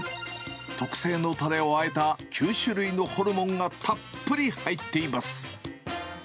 特製のたれをあえた９種類のホルモンがたっぷり入っています。